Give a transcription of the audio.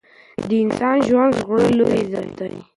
د انسان ژوند ژغورل لوی عزت دی.